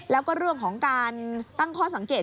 แล้วก็เรื่องของการตั้งข้อสังเกต